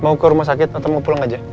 mau ke rumah sakit atau mau pulang aja